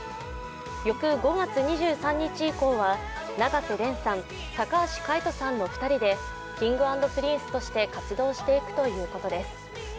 翌５月２３日以降は永瀬廉さん、高橋海人さんの２人でＫｉｎｇ＆Ｐｒｉｎｃｅとして活動していくということです。